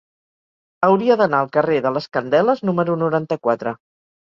Hauria d'anar al carrer de les Candeles número noranta-quatre.